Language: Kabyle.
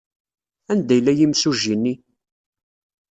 Anda yella yimsujji-nni?